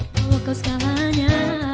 kalau kau sekalanya